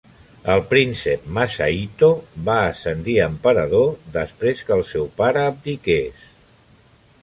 El príncep Masahito va ascendir a emperador, després que el seu pare abdiqués.